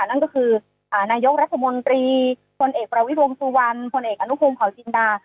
นั่นก็คืออ่านายกรัฐมนตรีคนเอกประวิบัติวงศ์สุวรรณคนเอกอนุคุมของจินดา